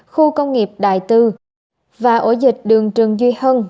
khu công nghiệp đại tư và ổ dịch đường trần duy hân